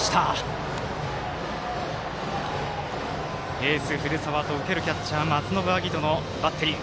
エース、古澤と受けるキャッチャーの松延晶音のバッテリー。